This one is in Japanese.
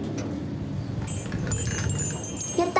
やった！